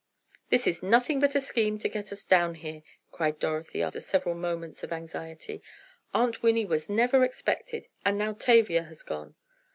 "This is nothing but a scheme to get us down here," cried Dorothy, after several moments of anxiety, "Aunt Winnie was never expected, and now Tavia has gone!"